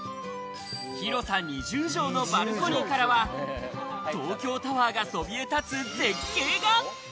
広さ２０帖のバルコニーからは東京タワーがそびえ立つ絶景が。